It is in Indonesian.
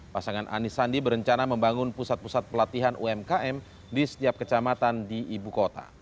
pasangan anis sandi berencana membangun pusat pusat pelatihan umkm di setiap kecamatan di ibu kota